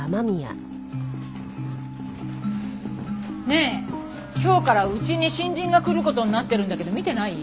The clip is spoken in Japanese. ねえ今日からうちに新人が来る事になってるんだけど見てない？